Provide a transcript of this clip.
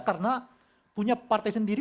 karena punya partai sendiri